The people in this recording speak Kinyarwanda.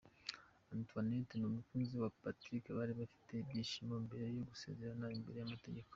Antoinette n'umukunzi we Patrick bari bafite ibyishimo mbere yo gusezerana imbere y'amategeko.